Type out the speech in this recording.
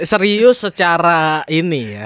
serius secara ini ya